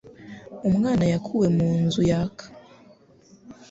Umwana yakuwe mu nzu yaka.